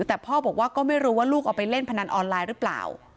แต่พ่อบอกว่าก็ไม่รู้ว่าลูกเอาไปเล่นพนันออนไลน์หรือเปล่า